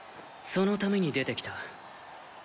そのために出てきた。